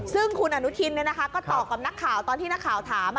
ซึ่งคุณอนุทินก็ตอบกับนักข่าวตอนที่นักข่าวถาม